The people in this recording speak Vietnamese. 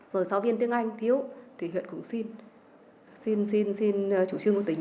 rồi giáo viên tiếng anh thiếu thì huyện cũng xin xin xin xin chủ trương của tỉnh